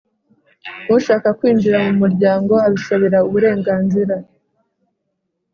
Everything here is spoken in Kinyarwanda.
Ushaka kwinjira mu muryango abisabira uburenganzira